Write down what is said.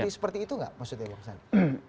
seperti itu nggak maksudnya bang sandi